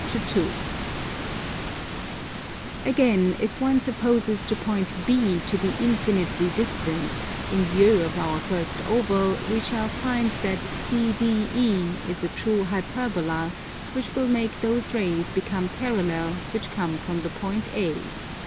Again, if one supposes the point B to be infinitely distant, in lieu of our first oval we shall find that CDE is a true Hyperbola; which will make those rays become parallel which come from the point A.